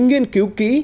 nghiên cứu kỹ